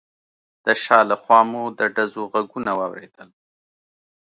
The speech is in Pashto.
د شا له خوا مو د ډزو غږونه واورېدل.